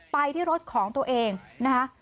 ไปที่รถของตัวเองนะคะ